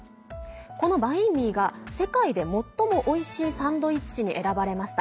このバインミーが世界で最もおいしいサンドイッチに選ばれました。